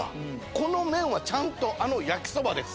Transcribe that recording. この麺はちゃんとあの焼きそばです。